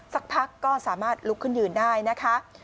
สักพักก็สามารถลุกขึ้นยืนได้นะคะ